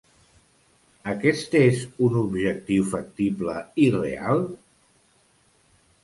Aquest és un objectiu factible i real?